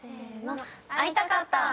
「会いたかった」